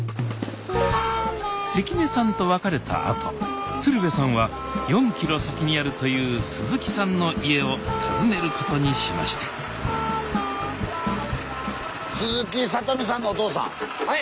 関根さんと別れたあと鶴瓶さんは４ｋｍ先にあるという鈴木さんの家を訪ねることにしましたはい。